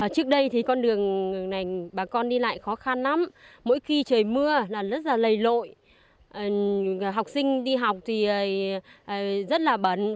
trước đây thì con đường này bà con đi lại khó khăn lắm mỗi khi trời mưa là rất là lầy lội học sinh đi học thì rất là bẩn